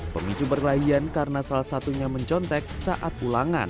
pemicu perkelahian karena salah satunya mencontek saat pulangan